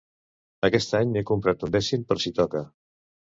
Aquest any he comprat un dècim per si toca.